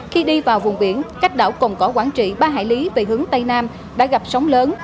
khi đi vào vùng biển cách đảo cồng cỏ quảng trị ba hải lý về hướng tây nam đã gặp sóng lớn